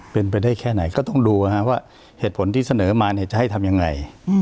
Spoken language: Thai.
เป็นไปได้แค่ไหนก็ต้องดูว่าเหตุผลที่เสนอมาจะให้ทำยังไง